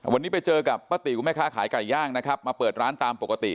วันนี้ไปเจอกับป้าติ๋วแม่ค้าขายไก่ย่างนะครับมาเปิดร้านตามปกติ